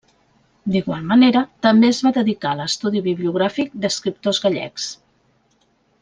D'igual manera també es va dedicar a l'estudi bibliogràfic d'escriptors gallecs.